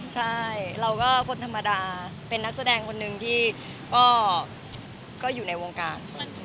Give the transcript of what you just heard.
ใช่เราก็คนธรรมดาเป็นนักแสดงคนหนึ่งที่ก็อยู่ในวงการ